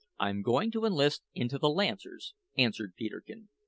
"I'm going to enlist into the Lancers," answered Peterkin.